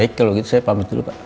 baik kalau gitu saya pamit dulu pak